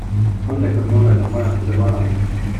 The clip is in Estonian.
Andekad noored on majanduse varaait.